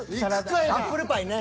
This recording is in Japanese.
アップルパイね。